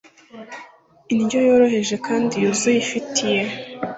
indyo yoroheje yuzuye kandi ifitiye